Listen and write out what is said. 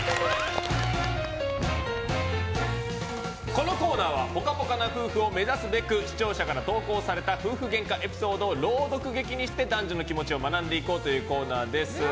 このコーナーはぽかぽかな夫婦を目指すべく視聴者の皆さんから投稿された夫婦ゲンカエピソードを朗読劇にして男女の気持ちを学んでいこうというコーナーです。